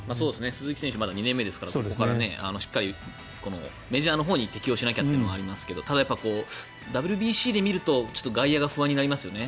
鈴木選手はまだ２年目ですからここからしっかりメジャーのほうに適応しなきゃというのがありますけどただ、ＷＢＣで見ると外野が不安になりますよね。